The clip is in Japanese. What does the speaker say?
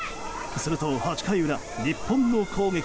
すると８回裏、日本の攻撃。